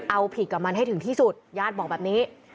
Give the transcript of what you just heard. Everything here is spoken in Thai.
เอาผิดกับมันให้ถึงที่สุดญาติบอกแบบนี้